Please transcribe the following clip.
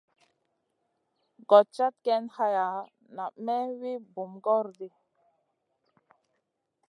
Gòd cad ken haya na may wi bum gòoro ɗi.